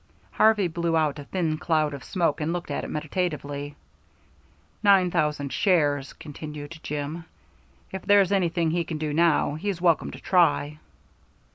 Harvey blew out a thin cloud of smoke, and looked at it meditatively. "Nine thousand shares," continued Jim, "If there's anything he can do now, he's welcome to try."